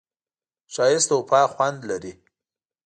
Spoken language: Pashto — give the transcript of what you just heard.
ښایست د وفا خوند لري